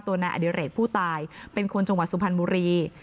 นายอดิเรกผู้ตายเป็นคนจังหวัดสุพรรณบุรี